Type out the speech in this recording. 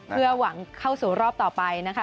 เพื่อหวังเข้าสู่รอบต่อไปนะคะ